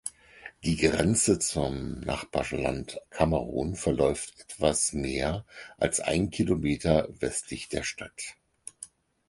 Die Grenze zum Nachbarland Kamerun verläuft etwas mehr als einen Kilometer westlich der Stadt.